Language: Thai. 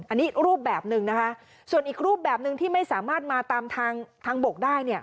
อันนี้รูปแบบหนึ่งนะคะส่วนอีกรูปแบบหนึ่งที่ไม่สามารถมาตามทางบกได้เนี่ย